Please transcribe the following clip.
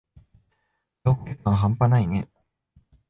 手遅れ感はんぱないね。